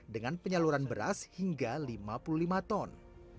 dengan penyaluran beras hingga lima puluh lima ton